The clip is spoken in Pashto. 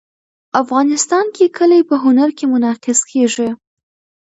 افغانستان کې کلي په هنر کې منعکس کېږي.